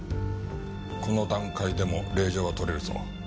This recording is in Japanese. この段階でも令状は取れるぞ。